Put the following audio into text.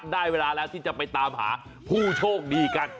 ได้เวลาแล้วที่จะไปตามหาผู้โชคดีกัน